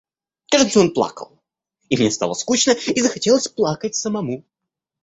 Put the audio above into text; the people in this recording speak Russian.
Кажется, он плакал; и мне стало скучно и захотелось плакать самому.